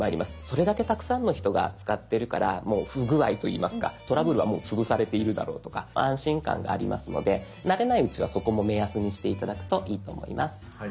それだけたくさんの人が使ってるからもう不具合といいますかトラブルはもう潰されているだろうとか安心感がありますので慣れないうちはそこも目安にして頂くといいと思います。